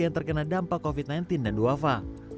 yang terkena dampak covid sembilan belas dan duafa